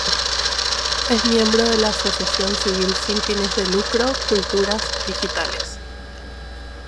Es miembro de la Asociación Civil sin fines de lucro "Culturas Digitales".